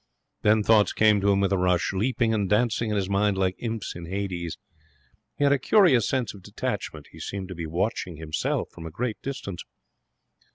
Then thoughts came to him with a rush, leaping and dancing in his mind like imps in Hades. He had a curious sense of detachment. He seemed to be watching himself from a great distance.